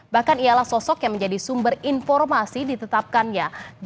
bahkan ialah sosok yang menjadi sumber informasi ditetapkannya